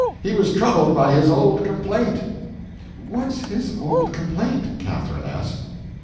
He was troubled by his old complaint." "What's his old complaint?" Catherine asked.